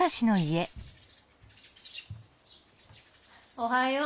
おはよう。